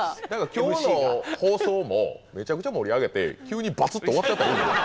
今日の放送もめちゃくちゃ盛り上げて急にバツッと終わっちゃったらいいんですよ。